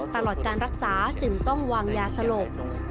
ตลอดการรักษาจึงต้องวางยาสลบ